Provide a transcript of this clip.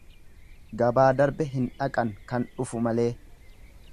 Gabaa darbe hin dhaqan kan dhufu malee.